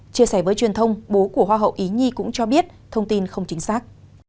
chia sẻ với truyền thông bố của hoa hậu ý nhi cũng cho biết thông tin không chính xác